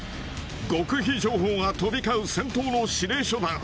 極秘情報が飛び交う、戦闘の指令所だ。